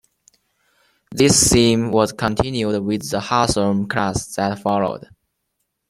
This theme was continued with the Hawthorn Class that followed.